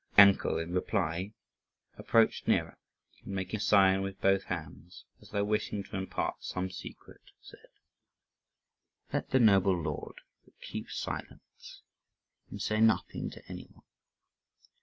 Yankel in reply approached nearer, and making a sign with both hands, as though wishing to impart some secret, said, "Let the noble lord but keep silence and say nothing to any one.